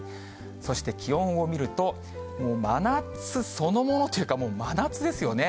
そして、気温を見ると、もう真夏そのものというか、真夏ですよね。